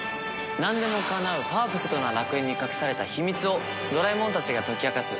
なんでもかなうパーフェクトな楽園に隠された秘密をドラえもんたちが解き明かす